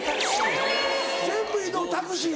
全部移動タクシー？